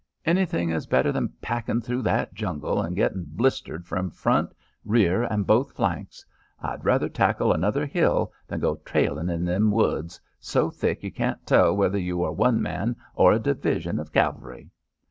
"Anything is better than packin' through that jungle an' gettin' blistered from front, rear, an' both flanks. I'd rather tackle another hill than go trailin' in them woods, so thick you can't tell whether you are one man or a division of cav'lry."